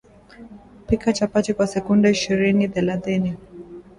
Pika chapati kwa sekunde ishirini thelathini